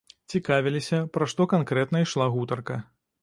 Цікавіліся, пра што канкрэтна ішла гутарка.